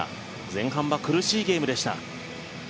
前半は苦しいゲームでした。